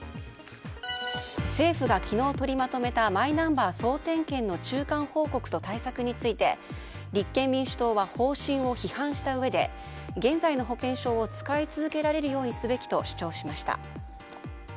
政府が昨日取りまとめたマイナンバー総点検の中間報告と対策について立憲民主党は方針を批判したうえで現在の保険証を使い続けられるようにすべきと主張しました。